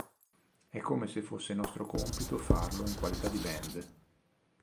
È come se fosse nostro compito farlo in qualità di band.